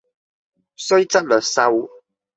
雖則略瘦，